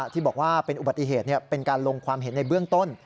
ที่บอกว่าเป็นอุบัติเหตุเป็นการลงความเห็นในเบื้องต้น